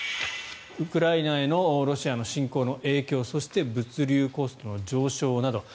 ウクライナへのロシアの侵攻の影響そして、物流コストの上昇など。